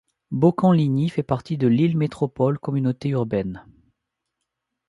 Beaucamps-Ligny fait partie de Lille Métropole Communauté urbaine.